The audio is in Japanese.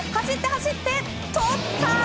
走って、走ってとった！